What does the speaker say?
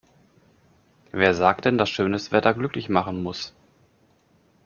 Wer sagt denn, dass schönes Wetter glücklich machen muss?